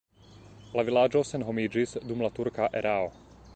La vilaĝo senhomiĝis dum la turka erao.